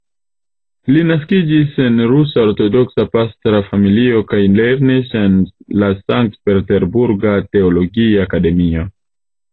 Li naskiĝis en rusa ortodoksa pastra familio kaj lernis en la Sankt-peterburga teologia akademio.